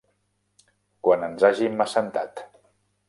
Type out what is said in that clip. Quan ens hàgim assentat.